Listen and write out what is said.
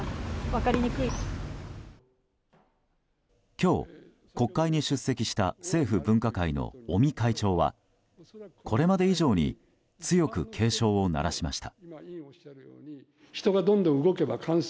今日、国会に出席した政府分科会の尾身会長はこれまで以上に強く警鐘を鳴らしました。